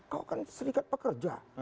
kau kan serikat pekerja